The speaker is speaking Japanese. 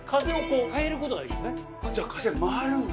じゃあ風回るんだ。